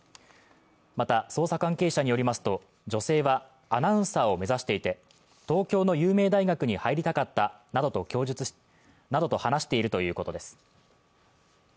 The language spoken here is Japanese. また、捜査関係者によりますと、女性はアナウンサーを目指していて、東京の有名大学に入りたかったなどと話しているということです。